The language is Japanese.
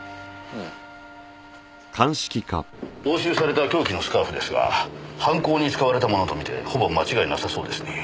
押収された凶器のスカーフですが犯行に使われたものと見てほぼ間違いなさそうですね。